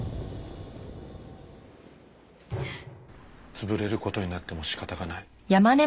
潰れる事になっても仕方がない。